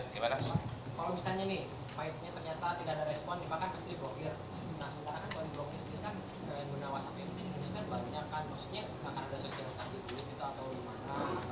makanya makanya ada sosialisasi dulu